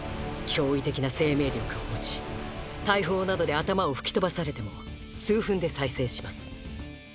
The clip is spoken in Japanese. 驚異的な生命力を持ち大砲などで頭を吹き飛ばされても数分で再生します。